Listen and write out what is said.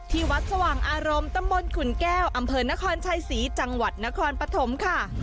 ที่วัดสว่างอารมณ์ตำบลขุนแก้วอำเภอนครชัยศรีจังหวัดนครปฐมค่ะ